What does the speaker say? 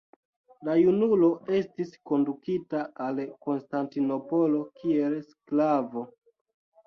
La junulo estis kondukita al Konstantinopolo kiel sklavo.